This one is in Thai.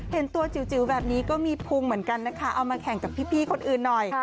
เห็นตัวจิ๋วแบบนี้ก็มีภูมิเหมือนกันนะคะเอามาแข่งกับพี่คนอื่นหน่อย